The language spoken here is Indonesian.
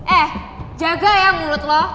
eh jaga ya mulut lo